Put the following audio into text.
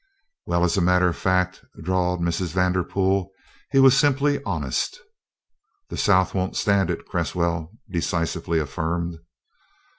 "When, as a matter of fact," drawled Mrs. Vanderpool, "he was simply honest." "The South won't stand it," Cresswell decisively affirmed.